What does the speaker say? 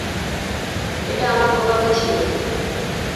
এটা আমার বোকামি ছিলো।